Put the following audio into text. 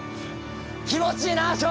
気持ちいいなあ翔！